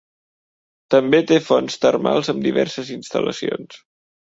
També té fonts termals amb diverses instal·lacions.